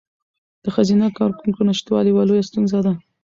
د ښځینه کارکوونکو نشتوالی یوه لویه ستونزه ده.